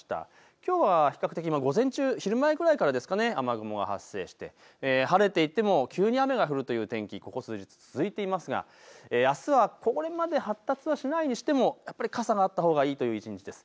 きょうは比較的、午前中、昼前ぐらいから雲が発生して晴れていても急に雨が降るという天気、ここ数日、続いていますがあすはこれまで発達しないにしてもやっぱり傘があったほうがいいという一日です。